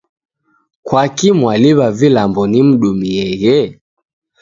Kwakii mwaliw'a vilambo nimdumieghe?